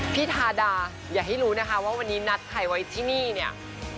ทาดาอย่าให้รู้นะคะว่าวันนี้นัดใครไว้ที่นี่เนี่ย